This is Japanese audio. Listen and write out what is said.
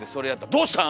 「どうしたん？」